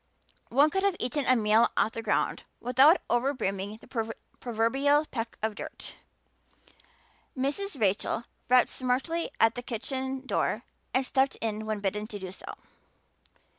One could have eaten a meal off the ground without over brimming the proverbial peck of dirt. Mrs. Rachel rapped smartly at the kitchen door and stepped in when bidden to do so.